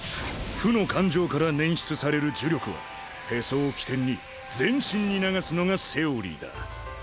負の感情から捻出される呪力はへそを起点に全身に流すのがセオリーだ。